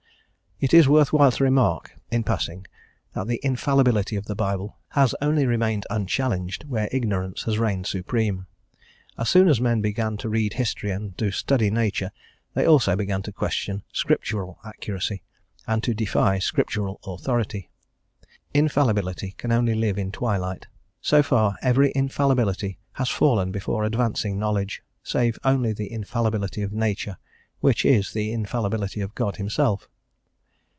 It is worth while to remark, in passing, that the infallibility of the Bible has only remained unchallenged where ignorance has reigned supreme; as soon as men began to read history and to study nature, they also began to question scriptural accuracy, and to defy scriptural authority. Infallibility can only live in twilight: so far, every infallibility has fallen before advancing knowledge, save only the infallibility of Nature, which is the infallibility of God Himself.